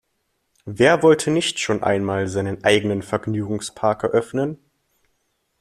Wer wollte nicht schon einmal seinen eigenen Vergnügungspark eröffnen?